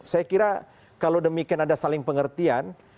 saya kira kalau demikian ada saling pengertian